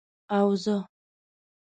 او زه،